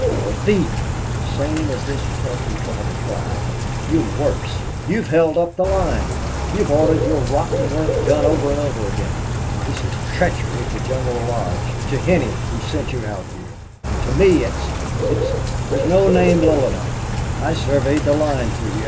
"You're a thief, same as this pup who tried to bribe me. You're worse. You've held up the line. You've ordered your rotten work done over and over again. This is treachery to General Lodge to Henney, who sent you out here. And to me it's it's there's no name low enough. I surveyed the line through here.